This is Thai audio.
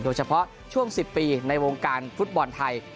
โดยเฉพาะช่วง๑๐ปีในวงการฟุตบอลไทย